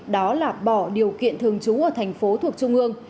đó là bỏ điều kiện thường trú ở thành phố thuộc trung ương